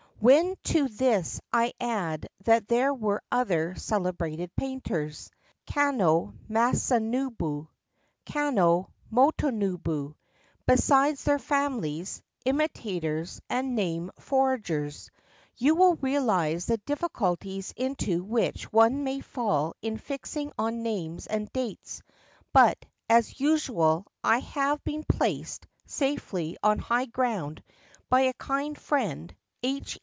When to this I add that there were other celebrated painters — Kano Masanobu, Kano Motonobu, besides their families, imitators, and name forgers — you will realise the difficulties into which one may fall in fixing on names and dates ; but, as usual, I have been placed safely on high ground by a kind friend, H.